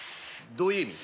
どういう意味？